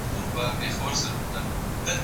مېوې د مور له خوا راټولې کيږي!.